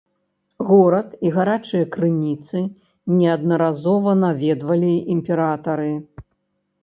Горад і гарачыя крыніцы неаднаразова наведвалі імператары.